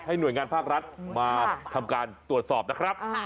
หน่วยงานภาครัฐมาทำการตรวจสอบนะครับ